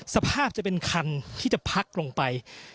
สภาพจะเป็นคันที่จะพักลงไป